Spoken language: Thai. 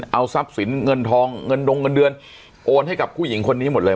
เอาทรัพย์สินเงินทองเงินดงเงินเดือนโอนให้กับผู้หญิงคนนี้หมดเลย